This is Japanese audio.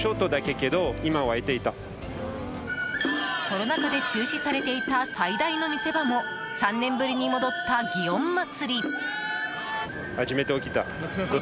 コロナ禍で中止されていた最大の見せ場も３年ぶりに戻った祇園祭。